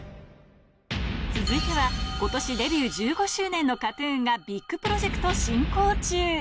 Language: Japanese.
続いてはことしデビュー１５周年のＫＡＴーＴＵＮが、ビッグプロジェクト進行中。